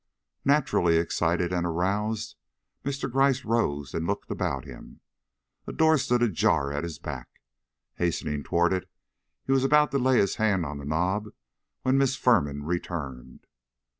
Naturally excited and aroused, Mr. Gryce rose and looked about him. A door stood ajar at his back. Hastening toward it, he was about to lay his hand on the knob when Miss Firman returned.